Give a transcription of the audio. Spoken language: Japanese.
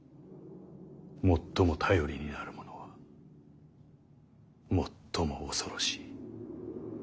最も頼りになる者は最も恐ろしい。